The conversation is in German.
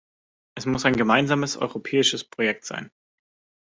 Es muss ein gemeinsames europäisches Projekt sein.